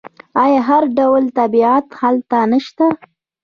آیا هر ډول طبیعت هلته نشته؟